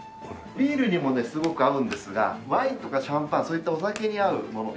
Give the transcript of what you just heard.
ビールにもねすごく合うんですがワインとかシャンパンそういったお酒に合うもの